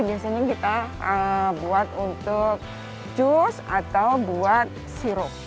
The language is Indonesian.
biasanya kita buat untuk jus atau buat sirup